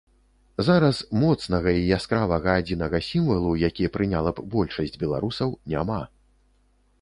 Зараз моцнага і яскравага адзінага сімвалу, які прыняла б большасць беларусаў, няма.